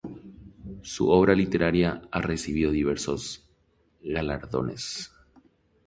Su obra literaria ha recibido diversos galardones.